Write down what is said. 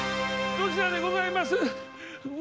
どちらでございます